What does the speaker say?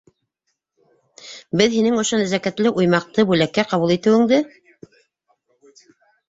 —Беҙ һинең ошо нәзәкәтле уймаҡты бүләккә ҡабул итеүеңде